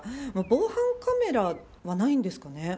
防犯カメラはないんですかね。